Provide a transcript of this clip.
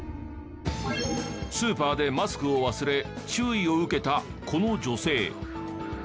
スーパーでマスクを忘れ注意を受けたこの女性。